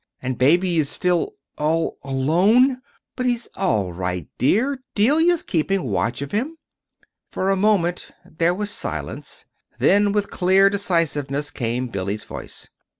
"And Baby is still all alone!" "But he's all right, dear. Delia's keeping watch of him." For a moment there was silence; then, with clear decisiveness came Billy's voice.